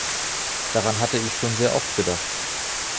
Daran hatte ich schon sehr oft gedacht.